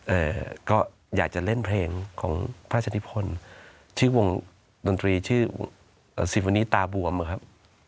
เอ่อก็อยากจะเล่นเพลงของพระอาจารย์นิพนธ์ชื่อวงดนตรีชื่อตาบวมอะครับ